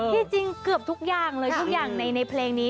ที่จริงเกือบทุกอย่างเลยทุกอย่างในเพลงนี้